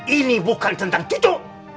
ini bukan tentang cucu